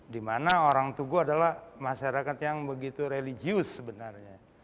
dimana orang tugu adalah masyarakat yang begitu religius sebenarnya